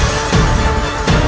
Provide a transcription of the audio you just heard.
ketika kanda menang kanda menang